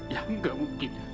ya gak mungkin